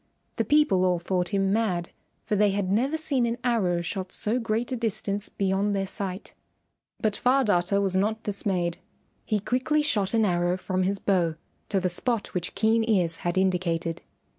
The people all thought him mad, for they had never seen an arrow shot so great a distance beyond their sight. But Far Darter was not dismayed. He quickly shot an arrow from his bow to the spot which Keen Ears had indicated.